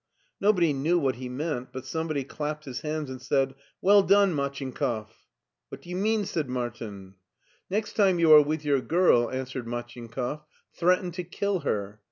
Nobody knew what he meant, but somebody clapped his hands and said, " Well done, Machinkoff." " What do you mean ?" said Martin. LEIPSIC 135 "Next time you are with your girl/' answered MachinkoflF, " threaten to kill her.